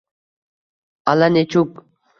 Allanechuk